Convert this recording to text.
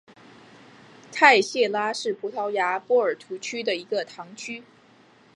泰谢拉是葡萄牙波尔图区的一个堂区。